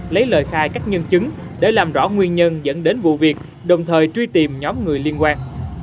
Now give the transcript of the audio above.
lấy lời khai các nhân chứng để làm rõ nguyên nhân dẫn đến vụ việc đồng thời truy tìm nhóm người liên quan